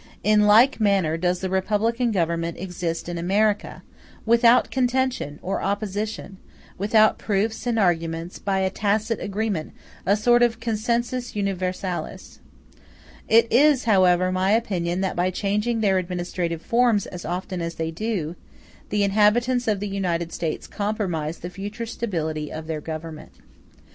In like manner does the republican government exist in America, without contention or opposition; without proofs and arguments, by a tacit agreement, a sort of consensus universalis. It is, however, my opinion that by changing their administrative forms as often as they do, the inhabitants of the United States compromise the future stability of their government.